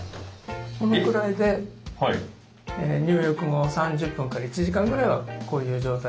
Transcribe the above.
このくらいで入浴後３０分から１時間ぐらいはこういう状態を保って頂いて。